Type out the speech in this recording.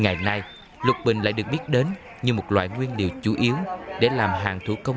ngày nay lục bình lại được biết đến như một loại nguyên liệu chủ yếu để làm hàng thủ công